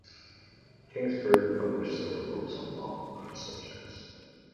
Kingsford published several books on law and other subjects.